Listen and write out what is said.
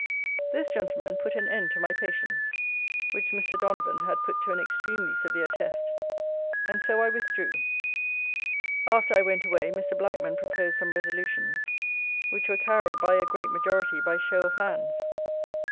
This gentleman put an end to my patience, which Mr. Donavon had put to an extremely severe test; and so I withdrew. After I went away Mr. Blackman proposed some resolutions, which were carried by a great majority by show of hands.